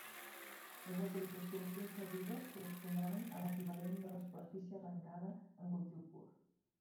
Les autoritzacions concedides correspondran a l'equivalent de la superfície arrancada en cultiu pur.